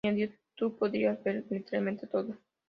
Añadió "tu podías ver literalmente todo".